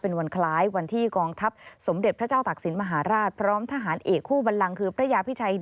เป็นวันคล้ายวันที่กองทัพสมเด็จพระเจ้าตักศิลปมหาราชพร้อมทหารเอกคู่บันลังคือพระยาพิชัย